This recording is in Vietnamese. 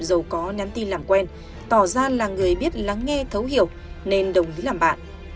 dù có nhắn tin làm quen tỏ ra là người biết lắng nghe thấu hiểu nên đồng ý làm bạn